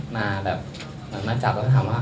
มาจับแล้วก็ถามว่า